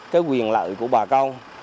cái quyền lợi của bà con